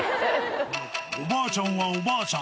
おばあちゃんはおばあちゃん